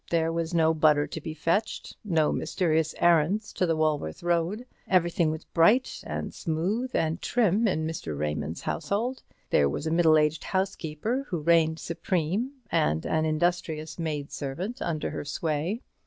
There was no butter to be fetched, no mysterious errands to the Walworth Road. Everything was bright and smooth and trim in Mr. Raymond's household. There was a middle aged housekeeper who reigned supreme, and an industrious maidservant under her sway.